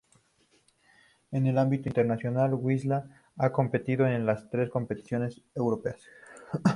En el ámbito internacional Wisla ha competido en las tres competiciones europeas.